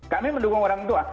kami mendukung orang tua